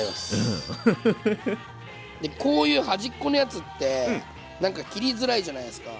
こういう端っこのやつってなんか切りづらいじゃないですか。